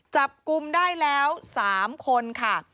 จับกลุ่มได้แล้ว๓คนค่ะ